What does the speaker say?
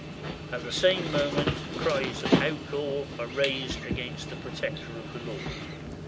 At the same moment cries of Outlaw are raised against the protector of the law.